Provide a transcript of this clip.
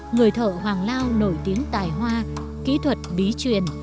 người thợ hoàng lao nổi tiếng tài hoa kỹ thuật bí truyền